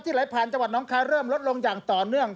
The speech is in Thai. ไหลผ่านจังหวัดน้องคายเริ่มลดลงอย่างต่อเนื่อง